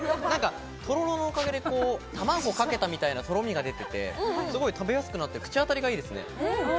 とろろのおかげで卵をかけたみたいなとろみが出てすごい食べやすくなって口当たりがいいですね。